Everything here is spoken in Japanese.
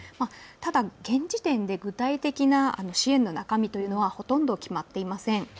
ただ現時点で具体的な支援の中身はほとんど決まっていません。